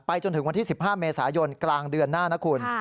จนถึงวันที่๑๕เมษายนกลางเดือนหน้านะคุณ